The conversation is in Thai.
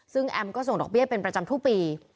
ซึ่งแอมก็ส่งดอกเบี้ยเป็นประจำทุกปี